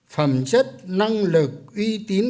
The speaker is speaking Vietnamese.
phẩm chất năng lực uy tín